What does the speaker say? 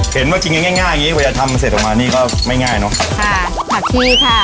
เห็นว่าจริงง่ายง่ายอย่างงี้กว่าอย่าทำเสร็จออกมานี่ก็ไม่ง่ายเนอะค่ะผักชีค่ะ